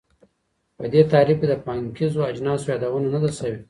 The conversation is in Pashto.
په دې تعریف کي د پانګیزو اجناسو یادونه نه ده سوي.